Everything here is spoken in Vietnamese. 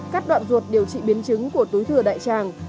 các đoạn ruột điều trị biến chứng của túi thừa đại tràng